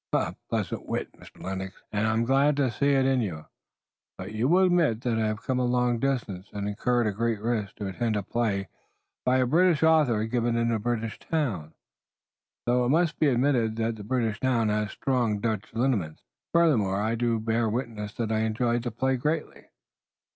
"A pleasant wit, Mr. Lennox. I am glad to see it in you. But you will admit that I have come a long distance and incurred a great risk to attend a play by a British author given in a British town, though it must be admitted that the British town has strong Dutch lineaments. Furthermore, I do bear witness that I enjoyed the play greatly.